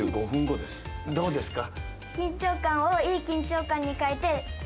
どうですか？